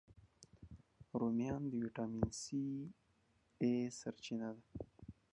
رومیان د ویټامین A، C سرچینه ده